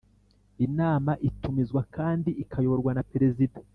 Inama itumizwa kandi ikayoborwa na perezida